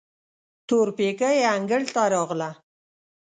تورپيکۍ انګړ ته راغله.